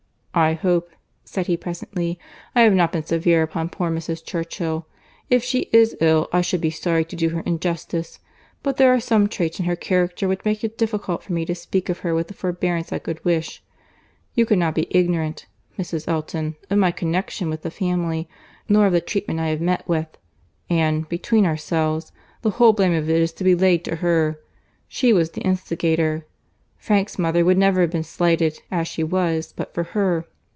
"I hope," said he presently, "I have not been severe upon poor Mrs. Churchill. If she is ill I should be sorry to do her injustice; but there are some traits in her character which make it difficult for me to speak of her with the forbearance I could wish. You cannot be ignorant, Mrs. Elton, of my connexion with the family, nor of the treatment I have met with; and, between ourselves, the whole blame of it is to be laid to her. She was the instigator. Frank's mother would never have been slighted as she was but for her.